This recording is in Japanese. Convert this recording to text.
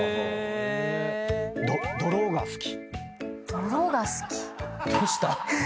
泥が好き⁉どうした？